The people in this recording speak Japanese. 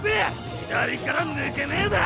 左から抜けねェだァ？